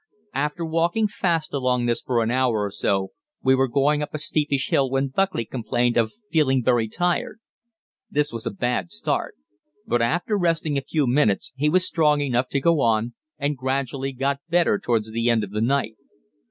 After walking fast along this for an hour or so we were going up a steepish hill when Buckley complained of feeling very tired. This was a bad start, but after resting a few minutes he was strong enough to go on and gradually got better towards the end of the night.